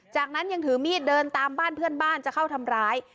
จากนั้นยังถือมีดเดินตามบ้านเพื่อนบ้านจะเข้าทำร้าย